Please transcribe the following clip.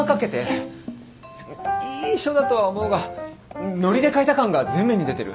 いい書だとは思うがノリで書いた感が前面に出てる。